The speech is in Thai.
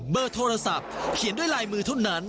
เบอร์โทรศัพท์เขียนด้วยลายมือเท่านั้น